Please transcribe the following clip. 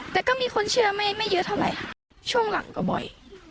แต่ก็มีคนเชื่อไม่เยอะเท่าไหร่ค่ะช่วงหลังก็บ่อย